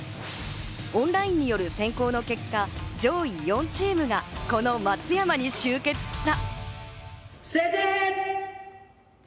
オンラインによる選考の結果、上位４チームがこの松山に集結した。